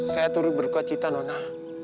saya turut berkecita nona